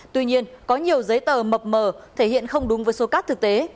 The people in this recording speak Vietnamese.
tuy nhiên có nhiều giấy tờ mập mờ thể hiện không đúng với số cát thực tế